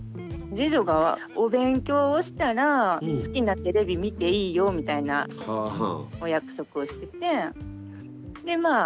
次女がお勉強をしたら好きなテレビ見ていいよみたいなお約束をしててでまあ